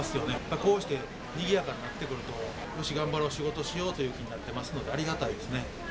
こうしてにぎやかになってくると、よし頑張ろう、仕事しようという気になってますのでありがたいですね。